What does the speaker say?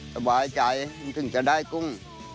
สบายใจถึงจะได้กุ้ง